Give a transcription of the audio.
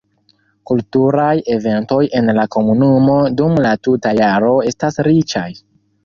Kulturaj eventoj en la komunumo dum la tuta jaro estas riĉaj.